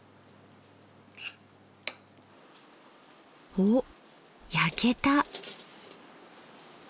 おっ焼けた！